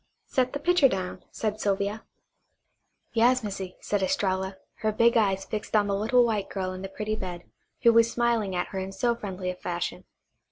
"Set the pitcher down," said Sylvia. "Yas, Missy," said Estralla, her big eyes fixed on the little white girl in the pretty bed who was smiling at her in so friendly a fashion.